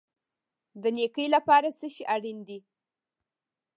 د نیکۍ لپاره څه شی اړین دی؟